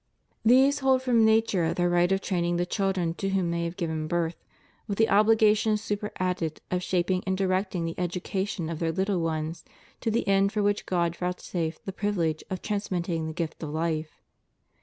These hold from nature their right of training the children to whom they have given birth, with the obligation superadded of shaping and directing the education of their little ones to the end for which God vouchsafed the privilege of transmitting the gift of life.